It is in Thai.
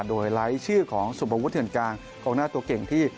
โดยรายชื่อของสุมบัติเกียรติกลางองค์หน้าตัวเก่งที่